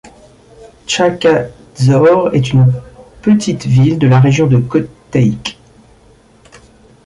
Tsakhkadzor est une petite ville de la région de Kotayk.